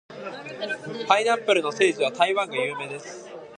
パイナップルの産地は台湾が有名です。